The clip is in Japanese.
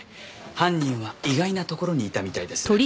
犯人は意外なところにいたみたいです。